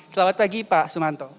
selamat pagi pak sumanto